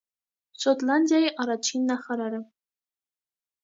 Շոտլանդիայի առաջին նախարարը։